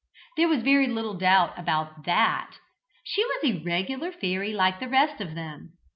There was very little doubt about that. She was a regular fairy like the rest of them.